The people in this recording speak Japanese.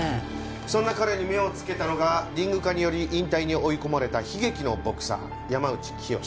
そんな彼に目をつけたのがリング禍により引退に追い込まれた悲劇のボクサー山内潔。